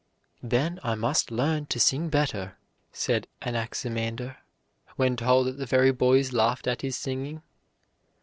"Then I must learn to sing better," said Anaximander, when told that the very boys laughed at his singing.